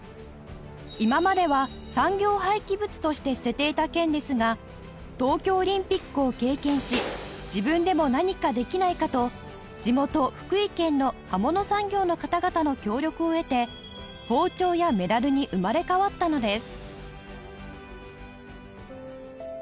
今までは産業廃棄物として捨てていた剣ですが東京オリンピックを経験し自分でも何かできないかと地元福井県の刃物産業の方々の協力を得て包丁やメダルに生まれ変わったのです